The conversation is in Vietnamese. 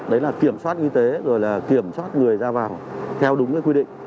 đấy là kiểm soát y tế rồi là kiểm soát người ra vào theo đúng cái quy định